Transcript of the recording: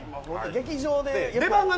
劇場で。